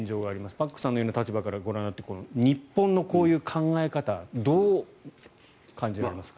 パックンさんのような立場からご覧になって日本のこういう考え方どう感じられますか。